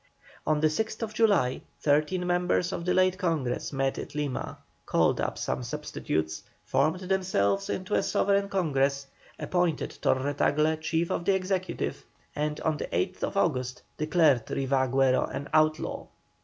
On the 6th July thirteen members of the late Congress met at Lima, called up some substitutes, formed themselves into a sovereign Congress, appointed Torre Tagle chief of the Executive, and on the 8th August declared Riva Agüero an outlaw.